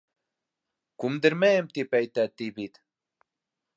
— Күмдермәйем тип әйтә, ти, бит.